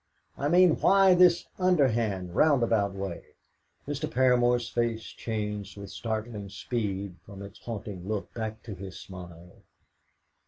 "I mean, why this underhand, roundabout way?" Mr. Paramor's face changed with startling speed from its haunting look back to his smile.